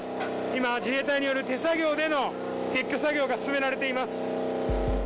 今、自衛隊による手作業での撤去作業が進められています。